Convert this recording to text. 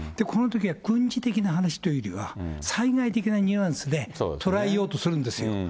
このときは軍事的な話というよりは、災害的なニュアンスで捉えようとするんですよ。